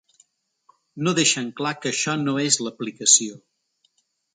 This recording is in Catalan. No deixen clar que això no és l’aplicació.